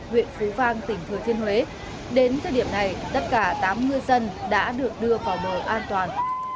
huyện phú vang tỉnh thừa thiên huế đến thời điểm này tất cả tám ngư dân đã được đưa vào bờ an toàn